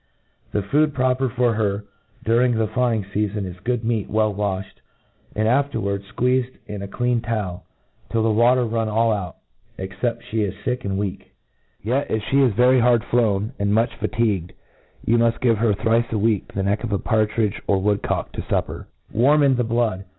The food proper for her during the flying fca fou is good meat well waihed, sm^ afterwards fqueezed in a clean towel, till the water run all out, except ihe is (ick and weak. Yet, if ihe is very hard flown, and much fatigued, you muft give her thrice a week the neck of a partridge or MODERN FAULCONRY. 217 or woodcock to fupper, warm in the blood.